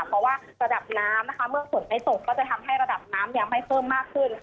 เพราะว่าระดับน้ำนะคะเมื่อฝนไม่ตกก็จะทำให้ระดับน้ำยังไม่เพิ่มมากขึ้น